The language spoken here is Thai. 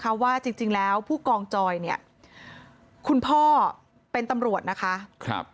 เพราะว่าจริงแล้วผู้กองจอยเนี่ยคุณพ่อเป็นตำรวจนะคะครับ